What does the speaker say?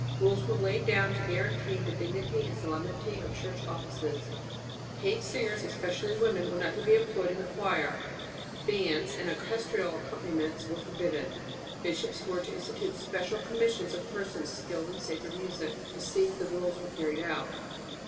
Rules were laid down to guarantee the dignity and solemnity of church offices; paid singers, especially women, were not to be employed in the choir; bands and orchestral accompaniments were forbidden. Bishops were to institute special commissions of persons skilled in sacred music, to see that the rules were carried out.